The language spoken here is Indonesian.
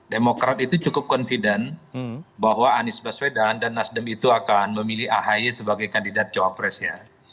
demokrat itu cukup confident bahwa anies baswedan dan nasdem itu akan memilih ahy sebagai kandidat cawapres ya